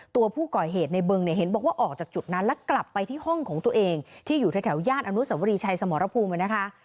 ตัวผู้ก่อเหตุในบึงเนี่ยเห็นบอกว่าออกจากจุดนั้นแล้วกลับไปที่ห้องของตัวเองที่อยู่แถวย่านอนุสวรีชัยสมรภูมินะคะ